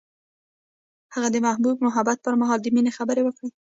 هغه د محبوب محبت پر مهال د مینې خبرې وکړې.